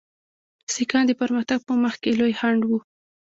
سیکهان د پرمختګ په مخ کې لوی خنډ وو.